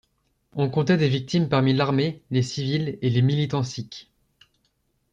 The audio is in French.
On comptait des victimes parmi l'armée, les civils et les militants sikhs.